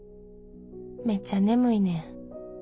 めっちゃ眠いねん。